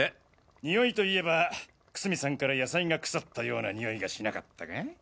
匂いといえば楠見さんから野菜が腐ったような臭いがしなかったか？